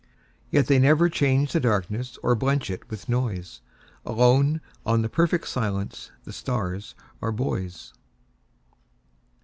Yet they never change the darknessOr blench it with noise; Alone on the perfect silenceThe stars are buoys.